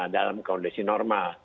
dalam kondisi normal